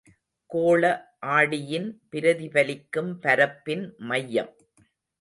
கோள ஆடியின் பிரதிபலிக்கும் பரப்பின் மையம்.